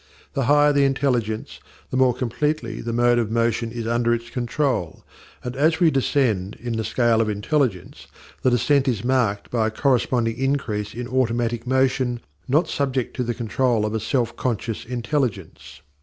The higher the intelligence, the more completely the mode of motion is under its control: and as we descend in the scale of intelligence, the descent is marked by a corresponding increase in automatic motion not subject to the control of a self conscious intelligence.